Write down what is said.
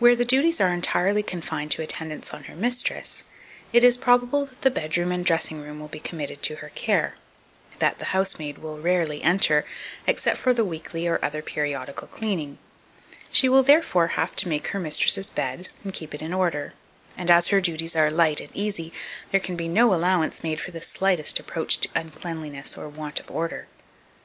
Where the duties are entirely confined to attendance on her mistress, it is probable that the bedroom and dressing room will be committed to her care; that, the housemaid will rarely enter, except for the weekly or other periodical cleaning; she will, therefore, have to make her mistress's bed, and keep it in order; and as her duties are light and easy, there can be no allowance made for the slightest approach to uncleanliness or want of order.